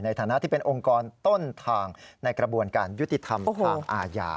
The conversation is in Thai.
ในฐานะที่เป็นองค์กรต้นทางในกระบวนการยุติธรรมทางอาญา